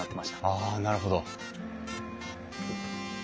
あなるほど。